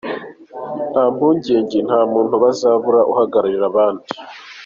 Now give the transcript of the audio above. Nta mpungenge, nta muntu bazabura uhagararira abandi.